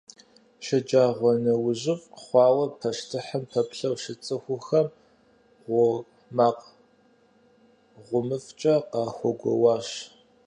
ШэджагъуэнэужьыфӀ хъуауэ пащтыхьым пэплъэу щыт цӀыхухэм гъуор макъ гъумыфӀкӀэ къахэгуоуащ.